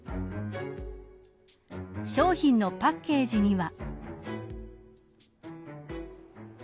商品のパッケージには。